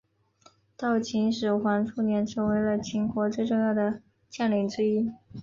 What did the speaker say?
到秦始皇初年成为了秦国最重要的将领之一。